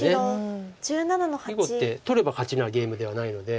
囲碁って取れば勝ちなゲームではないので。